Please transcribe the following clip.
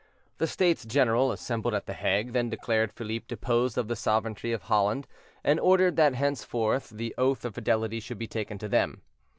The States General assembled at the Hague, then declared Philippe deposed from the sovereignty of Holland, and ordered that henceforth the oath of fidelity should be taken to them.